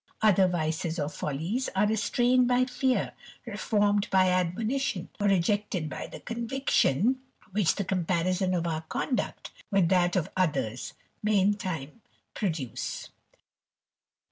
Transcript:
Other vices or follies are restrained by fear, reformed by admonition, or rejected by the con» viction which the comparison of our conduct with that of others may in time produce.